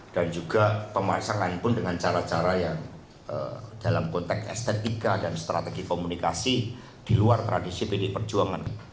dan juga pemasangan pun dengan cara cara yang dalam konteks estetika dan strategi komunikasi di luar tradisi pdi perjuangan